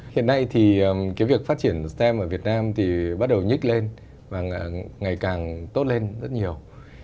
hiện nay thì cái việc phát triển stem ở việt nam thì bắt đầu nhích lên và ngày càng tốt lên rất nhiều